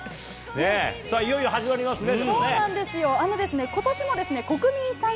さあ、いよいよ始まりますね。